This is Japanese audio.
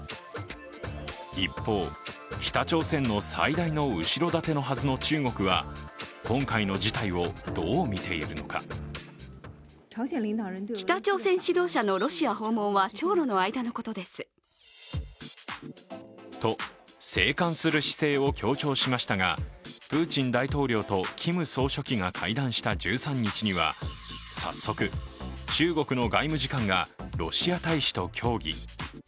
一方、北朝鮮の最大の後ろ盾のはずの中国は今回の事態をどう見ているのか。と静観する姿勢を強調しましたがプーチン大統領とキム・ジョンウン総書記が会談した１３日には早速、中国の外務次官がロシア大使と協議。